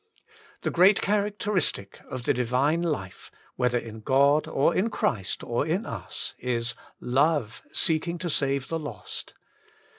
The great characteristic of the Divine life, whether in God, or in Christ, or in us, is — ^love seeking to save the lost.